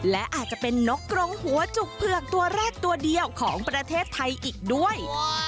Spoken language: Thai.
และอาจจะเป็นนกกรงหัวจุกเผือกตัวแรกตัวเดียวของประเทศไทยอีกด้วย